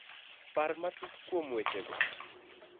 Par matut kuom wechego.